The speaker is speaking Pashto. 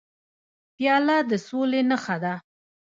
پیاله د سولې نښه ده.